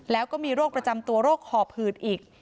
แล้วก็มีโรคประจำตัวโรคหอบหืดอีก